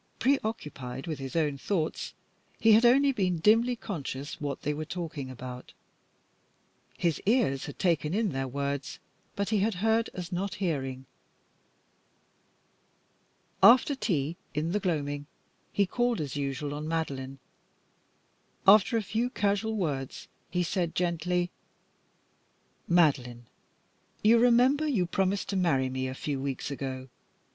Preoccupied with his own thoughts, he had only been dimly conscious what they were talking about. His ears had taken in their words, but he had heard as not hearing. After tea, in the gloaming, he called, as usual, on Madeline. After a few casual words, he said, gently "Madeline, you remember you promised to marry me a few weeks ago.